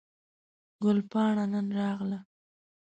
ګل پاڼه نن راغله